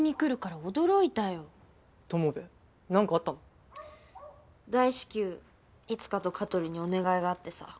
大至急いつかと香取にお願いがあってさ。